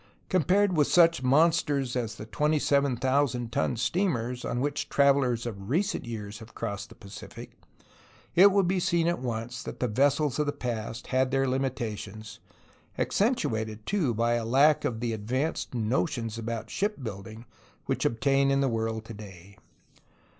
Compared with such monsters as the 27,000 ton steamers, on which travelers of recent years have crossed the Pacific, it will be seen at once that the vessels of the past had their limitations, accentuated, too, by a lack of the advanced notions about ship building which obtain in the world to day.